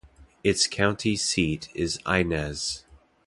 Its county seat is Inez.